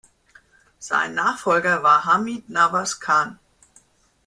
Sein Nachfolger war Hamid Nawaz Khan.